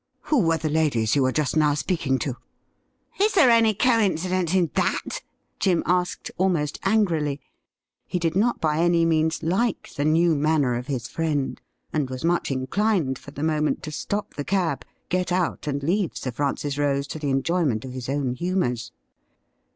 Who were the ladies you were just now speaking to i*' ' Is there any coincidence in that .?' Jim asked, almost angrily. He did not by any means like the new manner of his friend, and was much inclined for the moment to stop the cab, get out, and leave Sir Francis Rose to the enjoyment of his own humours.